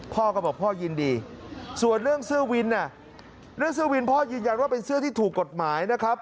พ่อก็บอกพ่อยินดีส่วนเรื่องเสื้อวินเรื่องเสื้อวินพ่อยืนยันว่าเป็นเสื้อที่ถูกกฎหมายนะครับ